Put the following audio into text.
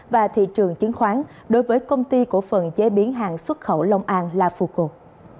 và thị trường chứng khoán đối với công ty cổ phần chế biến hàng xuất khẩu long an lafuco